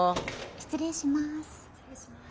失礼します。